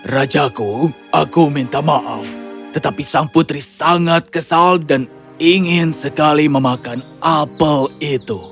rajaku aku minta maaf tetapi sang putri sangat kesal dan ingin sekali memakan apel itu